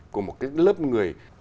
của một cái lớp người